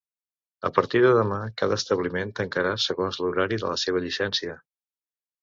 A partir de demà, cada establiment tancarà segons l’horari de la seva llicència.